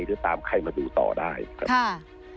หรือตามไข่มาดูต่อได้ครับ